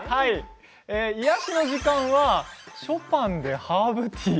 癒やしの時間はショパンでハーブティー